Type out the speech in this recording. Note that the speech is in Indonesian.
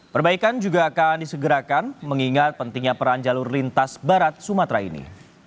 perbaikan juga akan disegerakan mengingat pentingnya peran jalur lintas barat sumatera ini